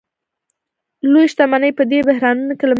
لویې شتمنۍ په دې بحرانونو کې له منځه ځي